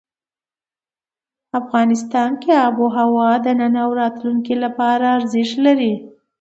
افغانستان کې آب وهوا د نن او راتلونکي لپاره ارزښت لري.